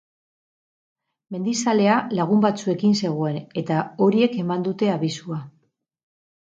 Mendizalea lagun batzuekin zegoen, eta horiek eman dute abisua.